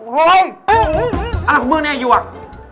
เฮ้ยอะไรของเมื่อกี้อายวก